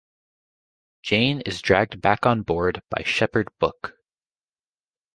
Jayne is dragged back on board by Shepherd Book.